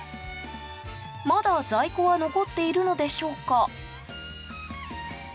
まだ在庫は残っているのでしょうか？